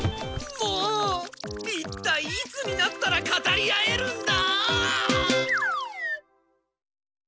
いったいいつになったら語り合えるんだ！